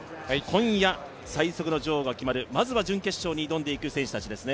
今夜、最速の女王が決まる、まずは準決勝に挑んでいく選手です。